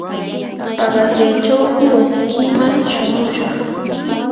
paqasyaychawmi wasikiman shamushaq.